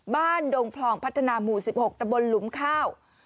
ดงพลองพัฒนาหมู่๑๖ตะบนหลุมข้าว